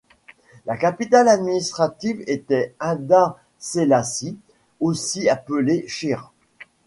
Sa capitale administrative était Inda Selassie aussi appelé Shire.